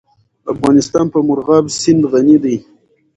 افغانستان په مورغاب سیند غني دی.